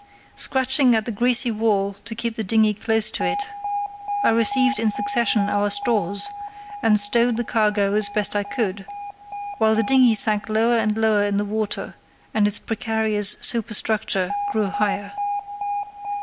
Scratching at the greasy wall to keep the dinghy close to it, I received in succession our stores, and stowed the cargo as best I could, while the dinghy sank lower and lower in the water, and its precarious superstructure grew higher.